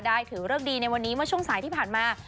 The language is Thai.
ถือเลิกดีในวันนี้เมื่อช่วงสายที่ผ่านมา